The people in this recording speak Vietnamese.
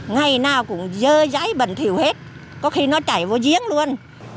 ngày nào cũng dơ giấy bẩn thiểu hết có khi nó chảy vô giếng luôn